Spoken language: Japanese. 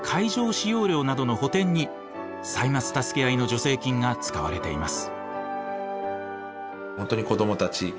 使用料などの補填に「歳末たすけあい」の助成金が使われています。